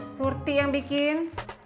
mas hurti yang bikin